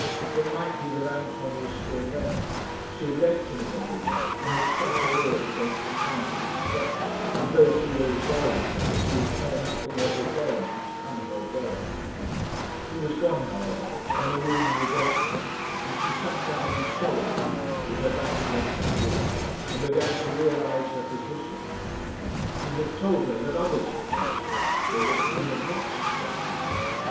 It might be that Anton was still there. She had left him in the room, and had shut her ears against the sound of his steps, as though she were resolved that she would care nothing ever again for his coming or going. He was gone, however, and the room was empty, and she sat down in solitude, with her back against the wall, and began to realise her position. He had told her that others accused her, but that he had not suspected her.